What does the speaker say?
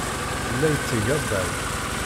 Yella yetteg addal.